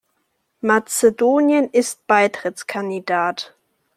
Mazedonien ist Beitrittskandidat.